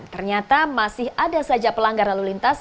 ternyata masih ada saja pelanggar lalu lintas